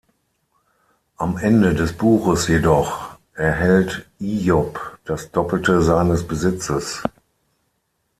Am Ende des Buches jedoch erhält Ijob das doppelte seines Besitzes.